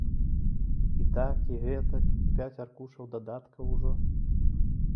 І так, і гэтак, і пяць аркушаў дадаткаў ужо!